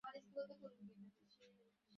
অপুর মুখ হইতে হাসি মিলাইয়া গেল।